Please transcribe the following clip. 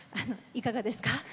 いかがですか？